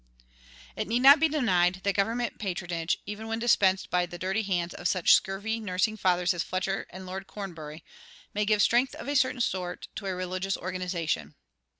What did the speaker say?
"[80:1] It need not be denied that government patronage, even when dispensed by the dirty hands of such scurvy nursing fathers as Fletcher and Lord Cornbury, may give strength of a certain sort to a religious organization.